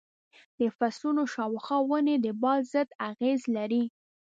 د فصلونو شاوخوا ونې د باد ضد اغېز لري.